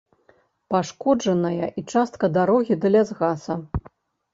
Пашкоджаная і частка дарогі да лясгаса.